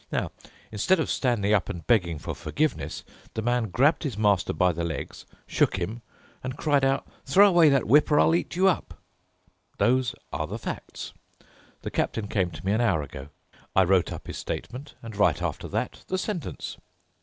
Now, instead of standing up and begging for forgiveness, the man grabbed his master by the legs, shook him, and cried out, 'Throw away that whip or I'll eat you up.' Those are the facts. The captain came to me an hour ago. I wrote up his statement and right after that the sentence.